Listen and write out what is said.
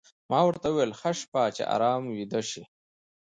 ما ورته وویل: ښه شپه، چې ارام ویده شې.